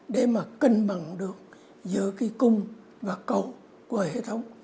để mà cân bằng được giữa cái cung và cầu của hệ thống